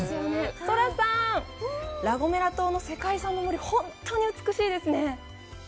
ソラさん、ラ・ゴメラ島の世界遺産の森、本当に美しいですね。